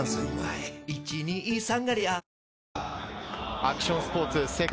アクションスポーツ世界